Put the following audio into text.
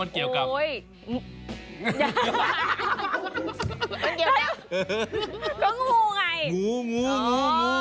มันเกี่ยวกับงูไง